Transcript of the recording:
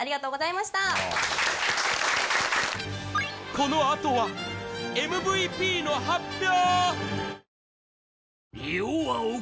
このあとはＭＶＰの発表